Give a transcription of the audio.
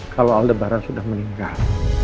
kalau aldebaran sudah meninggal